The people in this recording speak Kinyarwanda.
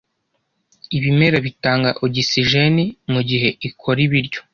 Ibimera bitanga ogisijeni mugihe ikora ibiryo.